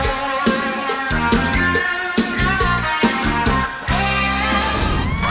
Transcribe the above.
โอ้เจ๋งเจ๋ง